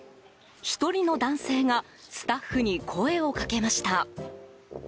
１人の男性がスタッフに声をかけました。